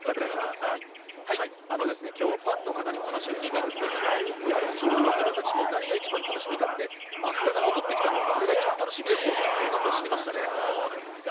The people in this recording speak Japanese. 今日はファンの方にお話を聞いたんですけれど、やはりファンの方たちも何が一番楽しみかって、松田が戻ってきた、それが一番楽しみです、そんな話をしてました。